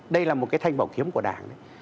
đây là một cái thanh bảo kiếm của đảng